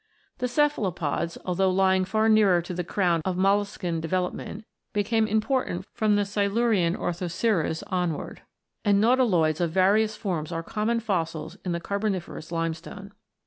The cephalopods, though lying far nearer to the crown of molluscan development, became important from the Silurian Orthoceras on wards, and nautiloids of various forms are common fossils in the Carboniferous limestone.